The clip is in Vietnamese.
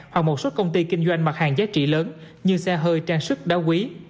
hoặc một số công ty kinh doanh mặt hàng giá trị lớn như xe hơi trang sức đá quý